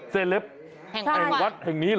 เศรษฐ์แห่งวัดแห่งนี้เหรอ